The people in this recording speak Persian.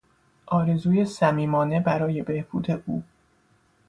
آرزوی صمیمانه برای بهبود او